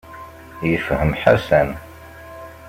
Yefhem Ḥasan.